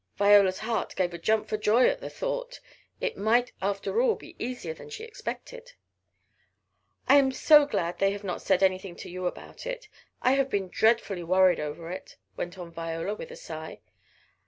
Viola's heart gave a jump for joy at the thought. It might after all be easier than she expected. "I am so glad they have not said anything to you about it. I have been dreadfully worried over it," went on Viola with a sigh.